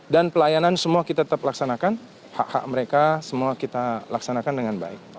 dan pelayanan semua kita tetap laksanakan hak hak mereka semua kita laksanakan dengan baik